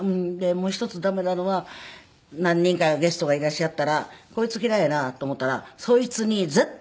もう一つ駄目なのは何人かゲストがいらっしゃったらこいつ嫌いやなと思ったらそいつに絶対話振らない。